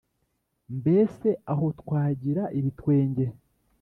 Mbese aho twagira ibitwenge?